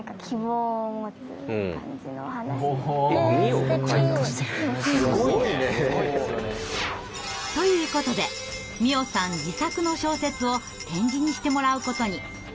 お願いがあってあっすごい。ということで美音さん自作の小説を点字にしてもらうことに。